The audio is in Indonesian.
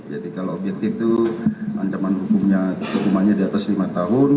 jadi kalau objektif itu ancaman hukumnya di atas lima tahun